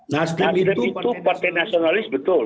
nasdem itu partai nasionalis betul